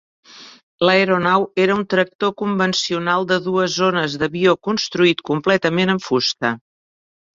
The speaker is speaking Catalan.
L'aeronau era un tractor convencional de dues zones d'avió construït completament amb fusta.